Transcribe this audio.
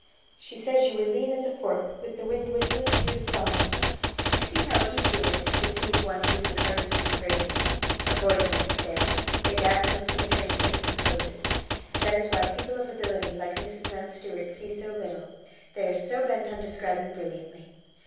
"She says you were lean as a fork, with the wind whistling through the prongs." "You see how easy it is to deceive one who is an artist in phrases. Avoid them, Miss Dale; they dazzle the penetration of the composer. That is why people of ability like Mrs Mountstuart see so little; they are so bent on describing brilliantly.